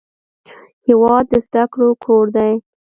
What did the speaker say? هېواد د زده کړو کور دی.